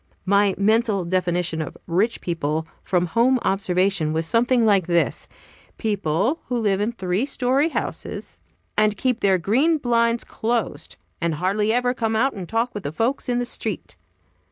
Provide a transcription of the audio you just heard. My mental definition of "rich people," from home observation, was something like this: People who live in three story houses, and keep their green blinds closed, and hardly ever come out and talk with the folks in the street.